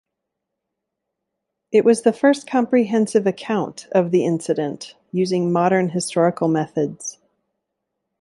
It was the first comprehensive account of the incident using modern historical methods.